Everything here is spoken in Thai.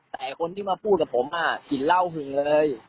แต่คนที่มาพูดกับผมกินเหล้าหึงเลย